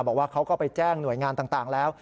บอกว่าเขาก็ไปแจ้งหน่วยงานต่างแล้ว